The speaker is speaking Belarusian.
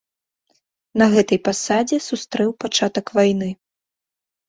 На гэтай пасадзе сустрэў пачатак вайны.